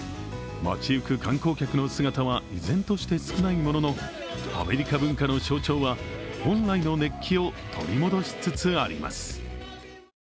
街ゆく観光客の姿は依然として少ないものの、アメリカ文化の象徴は本来の熱気を取り戻しつつあります。